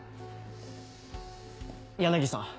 柳さん